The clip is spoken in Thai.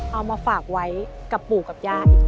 เอามาฝากไว้กับปู่กับย่าอีก